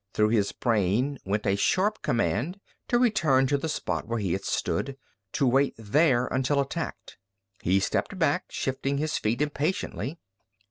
Through his brain went a sharp command to return to the spot where he had stood, to wait there until attacked. He stepped back, shifting his feet impatiently.